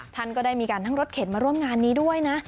ท่านก็ได้มีการทั้งรถเข็นมาร่วมงานนี้ด้วยนะ